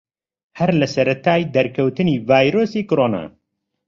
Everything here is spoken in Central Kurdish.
هەر لە سەرەتای دەرکەوتنی ڤایرۆسی کۆرۆنا